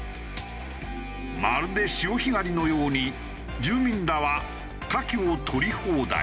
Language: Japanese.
まるで潮干狩りのように住民らはカキを取り放題。